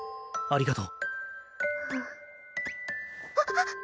ありがとう。